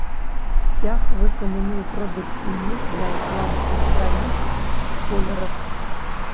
Сцяг выкананы ў традыцыйных для ісламскіх краін колерах.